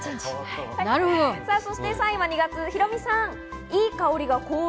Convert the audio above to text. ３位は２月、ヒロミさん。